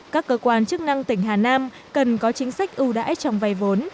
các cơ quan chức năng tỉnh hà nam cần có chính sách ưu đãi trong vay vốn